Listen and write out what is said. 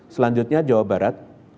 selanjutnya jawa barat